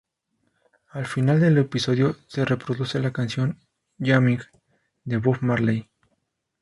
Al final del episodio, se reproduce la canción "Jamming'" de Bob Marley.